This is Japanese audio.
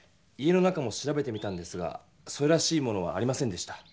家の中も調べてみたんですがそれらしいものはありませんでした。